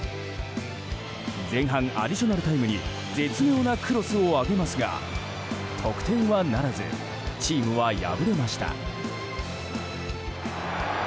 前半、アディショナルタイムに絶妙なクロスを上げますが得点はならずチームは敗れました。